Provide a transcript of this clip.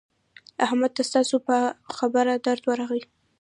احمد ته ستاسو په خبره درد ورغی.